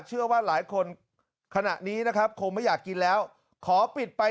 เชื่อว่าหลายคนขณะนี้นะครับคงไม่อยากกินแล้วขอปิดไป